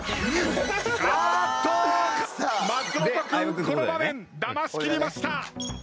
松本君この場面だましきりました！